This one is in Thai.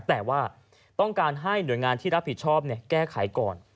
แต่ว่าต้องการให้หน่วยงานที่รับผิดชอบแก้ไขก่อน